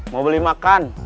mau beli makan